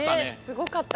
すごかった。